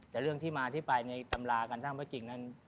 แต่เรื่องที่มาที่ไปในตำราการสร้างพระจริงนั้น